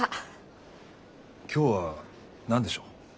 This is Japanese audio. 今日は何でしょう？